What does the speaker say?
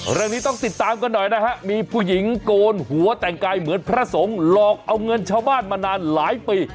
เรื่องนี้ต้องติดตามกันหน่อยนะฮะมีผู้หญิงโกนหัวแต่งกายเหมือนพระสงฆ์หลอกเอาเงินชาวบ้านมานานหลายปี